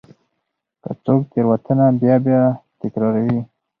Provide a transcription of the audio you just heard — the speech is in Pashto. که څوک تېروتنه بیا بیا تکراروي.